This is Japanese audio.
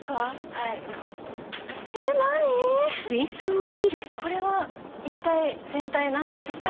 何⁉これは一体全体何ですか？